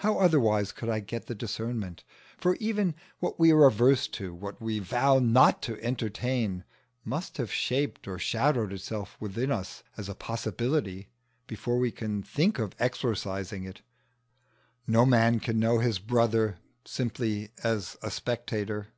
How otherwise could I get the discernment? for even what we are averse to, what we vow not to entertain, must have shaped or shadowed itself within us as a possibility before we can think of exorcising it. No man can know his brother simply as a spectator.